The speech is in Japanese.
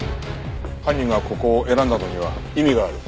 犯人がここを選んだのには意味がある。